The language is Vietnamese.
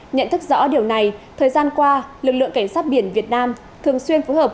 nhận thức rõ điều này thời gian qua lực lượng cảnh sát biển việt nam thường xuyên phối hợp